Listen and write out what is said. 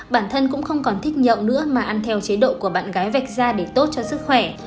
bản thân cũng không còn thích nhậu nữa mà ăn theo chế độ của bạn gái vạch ra để tốt cho sức khỏe